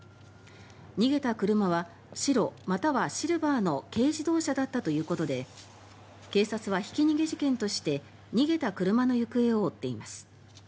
逃げた車は白またはシルバーの軽自動車だったということで警察はひき逃げ事件として逃げた車の行方を追っています。